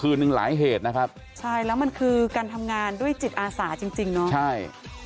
หนึ่งหลายเหตุนะครับใช่แล้วมันคือการทำงานด้วยจิตอาสาจริงจริงเนาะใช่